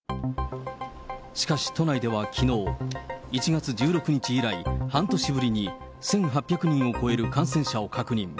しかし、都内ではきのう、１月１６日以来、半年ぶりに１８００人を超える感染者を確認。